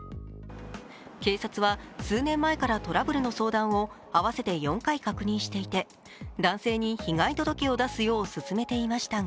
警察は、数年前からトラブルの相談を合わせて４回確認していて男性に被害届を出すよう勧めていましたが